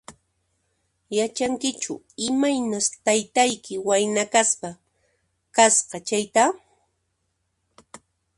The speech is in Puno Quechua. Yachankichu imaynas taytayki wayna kaspa kasqa chayta?